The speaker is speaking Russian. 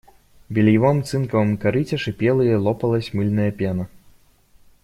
В бельевом цинковом корыте шипела и лопалась мыльная пена.